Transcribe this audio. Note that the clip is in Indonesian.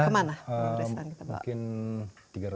kemana bu ngurusan kita bawa